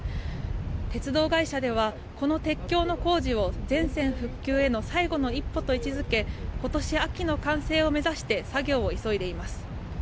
鉄道会社では、この鉄橋の工事を全線復旧への最後の一歩と位置づけ、ことし秋の完成を目指して作業を急いでいます。